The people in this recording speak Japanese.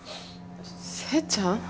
正ちゃん？